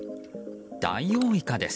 ダイオウイカです。